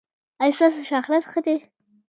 ایا ستاسو شهرت ښه دی؟